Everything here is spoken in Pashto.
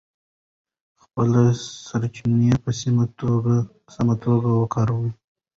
خپلې سرچینې په سمه توګه وکاروئ.